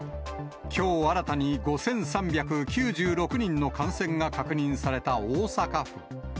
きょう新たに５３９６人の感染が確認された大阪府。